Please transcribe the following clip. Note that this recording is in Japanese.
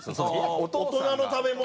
大人の食べ物。